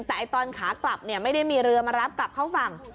แต่ตอนขากลับไม่ได้มีเรือมารับกลับเข้าฝั่ง